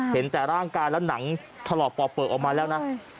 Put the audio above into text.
เห็นแต่ร่างกายแล้วหนังถลอกปอกเปลือกออกมาแล้วนะ